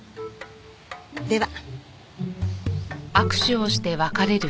では。